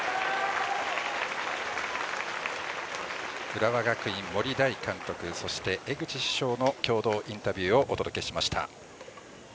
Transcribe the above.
浦和学院、森大監督そして、江口主将の共同インタビューをお届けしました。